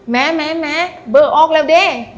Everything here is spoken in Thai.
แม่แม่แม่เบอร์ออกแล้วดิอืม